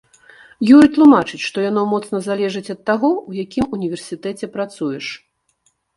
Юрый тлумачыць, што яно моцна залежыць ад таго, у якім універсітэце працуеш.